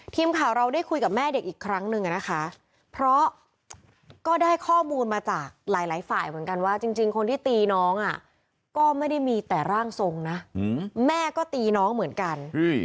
ทีมข่าวเราได้คุยกับแม่เด็กอีกครั้งนึงอะนะคะเพราะก็ได้ข้อมูลมาจากหลายฝ่ายเหมือนกันว่าจริงคนที่ตีน้องก็ไม่ได้มีแต่ร่างทรงนะแม่ก็ตีน้องเหมือนกัน